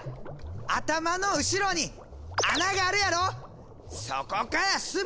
頭の後ろに穴があるやろ！